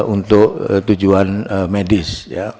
untuk tujuan medis